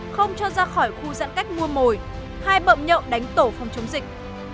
không cho ra khỏi khu giãn cách mua mồi hai bậm nhậu đánh tổ phòng chống dịch